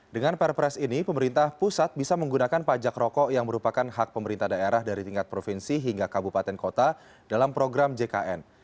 dengan perpres ini pemerintah pusat bisa menggunakan pajak rokok yang merupakan hak pemerintah daerah dari tingkat provinsi hingga kabupaten kota dalam program jkn